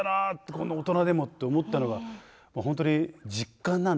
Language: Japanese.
こんな大人でもって思ったのが本当に実感なんですけどもね。